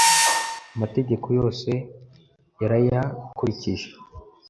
amategeko yose yarayakurikije